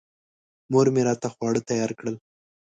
مور مې راته خواړه تیار کړل.